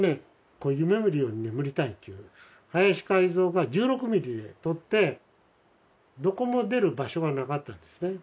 これ『夢みるように眠りたい』っていう林海象が１６ミリで撮ってどこも出る場所がなかったんですね。